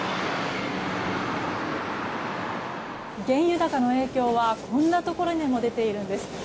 原油高の影響はこんなところにも出ているんです。